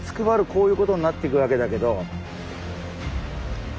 こういうことになっていくわけだけど。